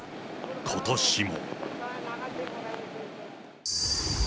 ことしも。